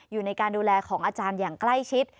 อยู่ในการดูแลของอาจารย์อย่างใกล้ชิด